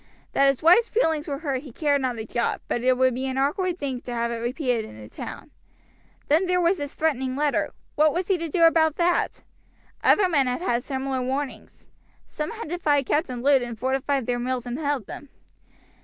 That his wife's feelings were hurt he cared not a jot, but it would be an awkward thing to have it repeated in the town. Then there was this threatening letter; what was he to do about that? Other men had had similar warnings. Some had defied Captain Lud, and fortified their mills and held them.